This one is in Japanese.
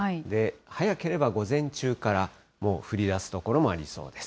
早ければ午前中からもう降りだす所もありそうです。